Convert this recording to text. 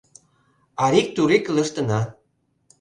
Арик-турик илыштына.